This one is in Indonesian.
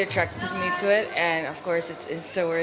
jadi itu menarik saya dan tentu saja sangat berharga